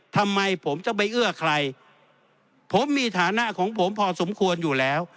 ทำไมผมจะไปเอื้อใครผมมีฐานะของผมพอสมควรอยู่แล้ว